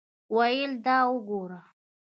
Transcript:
ویل دا وګوره.